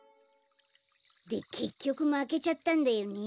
でけっきょくまけちゃったんだよね。